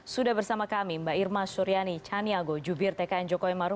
sudah bersama kami mbak irma suryani caniago jubir tkn jokowi maruf